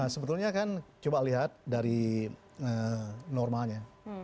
sebetulnya kan coba lihat dari normalnya